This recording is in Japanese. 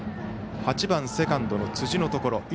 ８番、セカンドの辻のところ。